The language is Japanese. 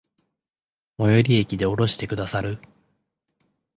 最寄駅で降ろしてくださる？